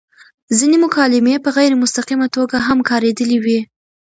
ځينې مکالمې په غېر مستقيمه توګه هم کاريدلي وې